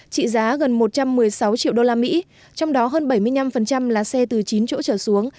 trị giá gần một trăm một mươi sáu triệu đô la mỹ trong đó hơn bảy mươi năm là xe từ chín chỗ trở xuống